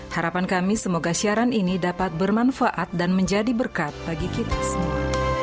harapan kami semoga siaran ini dapat bermanfaat dan menjadi berkat bagi kita semua